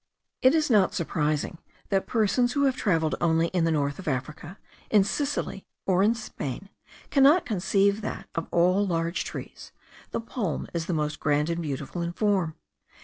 It is not suprising that persons who have travelled only in the north of Africa, in Sicily, or in Spain, cannot conceive that, of all large trees, the palm is the most grand and beautiful in form.